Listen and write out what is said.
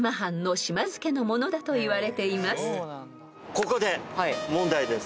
ここで問題です。